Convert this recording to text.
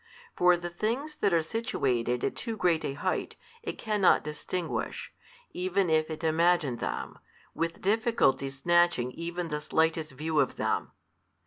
For the things that are situated at too great a height, it cannot distinguish, even if it imagine them, with difficulty snatching even the slightest view of them.